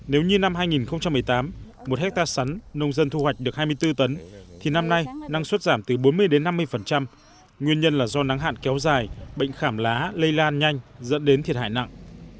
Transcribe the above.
nếu như năm hai nghìn một mươi tám một hectare sắn nông dân thu hoạch được hai mươi bốn tấn thì năm nay năng suất giảm từ bốn mươi đến năm mươi nguyên nhân là do nắng hạn kéo dài bệnh khảm lá lây lan nhanh dẫn đến thiệt hại nặng